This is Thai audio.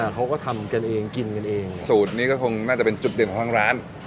เขาก็ทำกันเองกินกันเองสูตรนี้ก็คงน่าจะเป็นจุดเด่นของทางร้าน